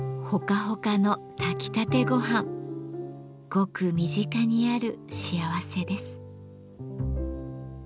ごく身近にある幸せです。